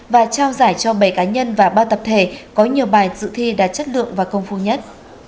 và trao giải cho bảy cá nhân và ba tập thể có nhiều bài dự thi đạt chất lượng và công phu nhất